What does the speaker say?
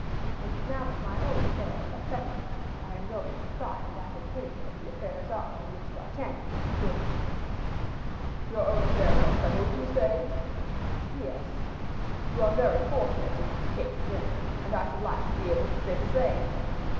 And now that my own affairs are settled, I am going to try and ascertain what the affairs are in which D'Artagnan is engaged." "Your own affairs are settled, you say?" "Yes." "You are very fortunate in that case, then, and I should like to be able to say the same."